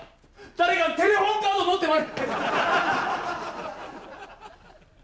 誰かテレホンカード持ってない！？